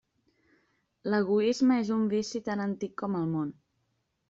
L'egoisme és un vici tan antic com el món.